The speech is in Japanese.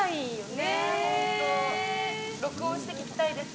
録音して聞きたいです。